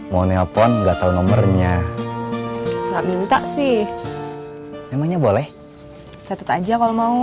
mau nelpon enggak tahu nomernya minta sih emangnya boleh catat aja kalau mau